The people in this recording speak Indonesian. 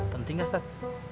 penting gak ustadz